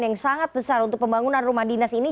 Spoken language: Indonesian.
yang sangat besar untuk pembangunan rumah dinas ini